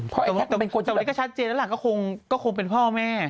แต่วันนี้ก็ชัดเจนแล้วแหละก็คงเป็นพ่อแม่